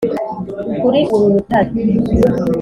kuri uru rutare